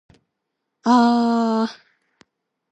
あー。